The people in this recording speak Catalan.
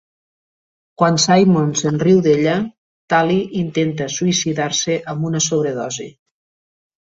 Quan Simon se'n riu d'ella, Tally intenta suïcidar-se amb una sobredosi.